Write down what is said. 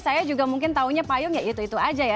saya juga mungkin taunya payung ya itu itu aja ya